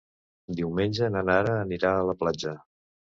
Diumenge na Nara anirà a la platja.